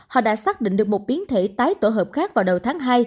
họ đã xác định được một biến thể tái tổ hợp khác vào đầu tháng hai